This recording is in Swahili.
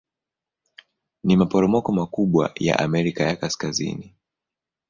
Ni maporomoko makubwa ya Amerika ya Kaskazini.